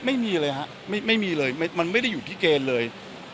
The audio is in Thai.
ไม่มีเลยฮะไม่มีเลยมันไม่ได้อยู่ที่เกณฑ์เลย